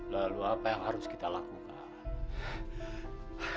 lalu apa yang harus kita lakukan